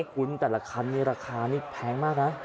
คุณแต่ละคันนี้ราคานี่แพงมากนะ